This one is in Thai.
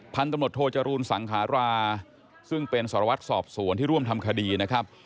พันธุ์ตำรวจโทจรูลสังขาราซึ่งเป็นสารวัตรสอบสวนที่ร่วมทำคดีนะครับ